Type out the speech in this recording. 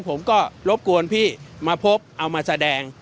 ผมก็รบกวนพี่มาพบเอามาแสดง